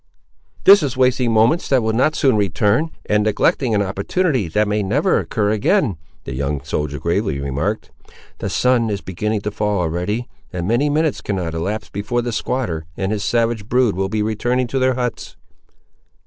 "This is wasting moments that will not soon return, and neglecting an opportunity that may never occur again," the young soldier gravely remarked. "The sun is beginning to fall already, and many minutes cannot elapse before the squatter and his savage brood will be returning to their huts."